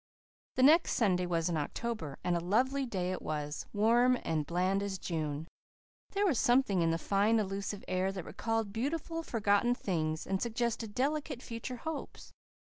The next Sunday was in October, and a lovely day it was, warm and bland as June. There was something in the fine, elusive air, that recalled beautiful, forgotten things and suggested delicate future hopes.